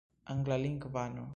anglalingvano